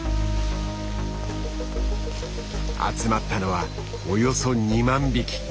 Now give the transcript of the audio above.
集まったのはおよそ２万匹！